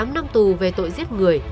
một mươi tám năm tù về tội giết người